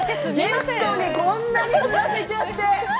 ゲストにこんなに振らせて。